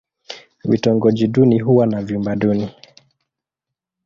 Vitongoji duni huwa na vyumba duni.